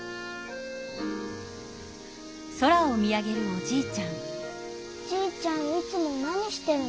じいちゃんいつも何してるの？